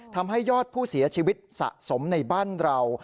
ทำให้ยอดผู้เสียชีวิตสะสมในบ้านเรา